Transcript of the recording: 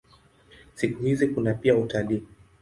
Siku hizi kuna pia utalii.